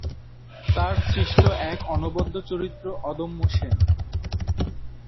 তার সৃষ্ট এক অনবদ্য চরিত্র অদম্য সেন।